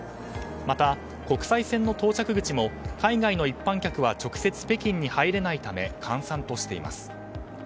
また、国際線の到着口も海外の一般客は直接北京に入れないため閑散としています。